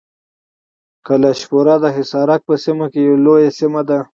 کلشپوره د حصارک په سیمه کې یوه لویه سیمه ده.